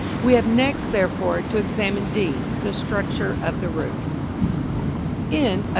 We have next, therefore, to examine (D) the structure of the roof.